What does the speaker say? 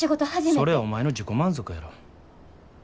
それはお前の自己満足やろ。